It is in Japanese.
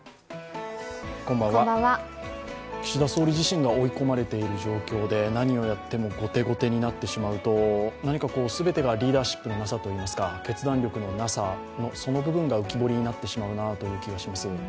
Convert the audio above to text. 岸田総理自身が追い込まれている状況で何をやっても後手後手になってしまうと、全てがリーダーシップのなさというか決断力のなさのその部分が浮き彫りになってしまうなという気がいたします。